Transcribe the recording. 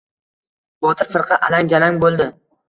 Botir firqa alang-jalang bo‘ldi.